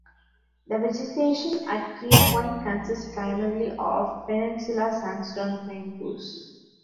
The vegetation at Cape Point consists primarily of Peninsula Sandstone Fynbos.